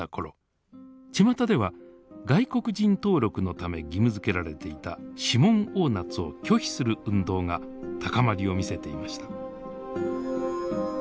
ちまたでは外国人登録のため義務づけられていた指紋押捺を拒否する運動が高まりを見せていました。